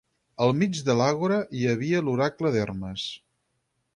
Al mig de l'àgora hi havia l'Oracle d'Hermes.